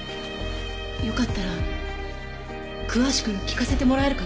よかったら詳しく聞かせてもらえるかな？